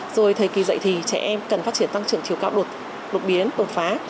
rồi thời kỳ dạy thì trẻ em cần phát triển tăng trưởng chiều cao đột biến đột phá